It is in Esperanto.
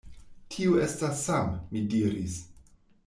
Tio estas Sam, mi diris.